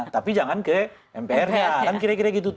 tapi jangan ke mpr nya